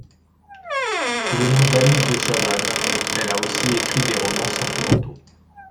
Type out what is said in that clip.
Sous le nom d’Alice de Chavannes, elle a aussi écrit des romans sentimentaux.